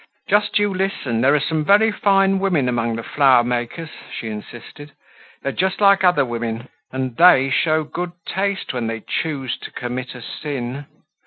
"Just you listen, there are some very fine women among the flower makers!" she insisted. "They're just like other women and they show good taste when they choose to commit a sin."